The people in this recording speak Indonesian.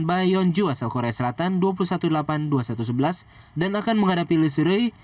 bai yong ju asal korea selatan dua puluh satu delapan dua puluh satu sebelas dan akan menghadapi li surui